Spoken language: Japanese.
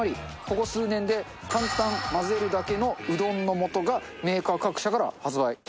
ここ数年で簡単混ぜるだけのうどんの素がメーカー各社から発売。